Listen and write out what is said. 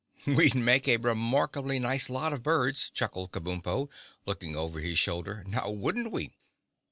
"We'd make a remarkably nice lot of birds," chuckled Kabumpo, looking over his shoulder, "now wouldn't we?"